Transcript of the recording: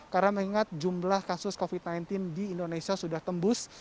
karena mengingat jumlah kasus covid sembilan belas di indonesia sudah tembus